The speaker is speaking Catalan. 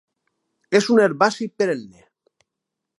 És un herbaci perenne.